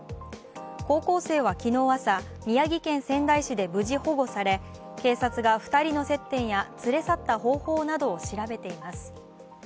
高校生は昨日朝宮城県仙台市で無事保護され、警察が２人の接点や連れ去った方法などを調べています。